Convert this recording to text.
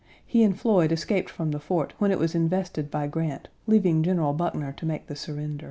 He and Floyd escaped from the Fort when it was invested by Grant, leaving General Buckner to make the surrender.